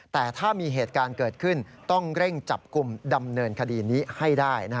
แต่ถ้ามีเหตุการณ์เกิดขึ้นต้องเร่งจับกลุ่มดำเนินคดีนี้ให้ได้